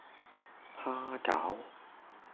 蝦餃